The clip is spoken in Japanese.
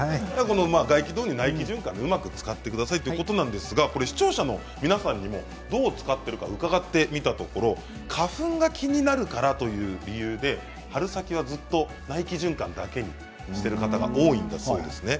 外気導入と内気循環をうまく使ってくださいということなんですが視聴者の皆さんにもどう使っているか伺ったところ花粉が気になるからという理由で春先はずっと内気循環にしている方が多いんだそうですね。